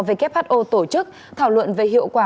who tổ chức thảo luận về hiệu quả